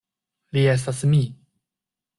Li estas mi.